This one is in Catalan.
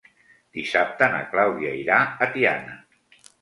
Dissabte na Clàudia irà a Tiana.